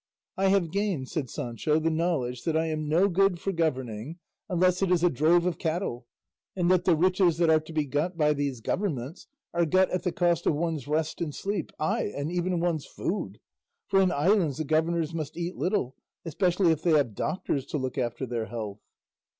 "I have gained," said Sancho, "the knowledge that I am no good for governing, unless it is a drove of cattle, and that the riches that are to be got by these governments are got at the cost of one's rest and sleep, ay and even one's food; for in islands the governors must eat little, especially if they have doctors to look after their health."